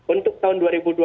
untuk tahun dua ribu dua puluh